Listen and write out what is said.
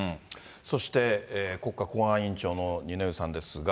そして、国家公安委員長の二之湯さんですが。